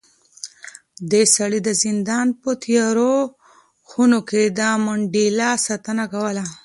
دې سړي د زندان په تیارو خونو کې د منډېلا ساتنه کوله.